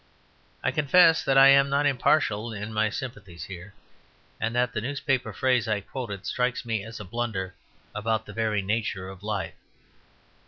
I confess that I am not impartial in my sympathies here; and that the newspaper phrase I quoted strikes me as a blunder about the very nature of life.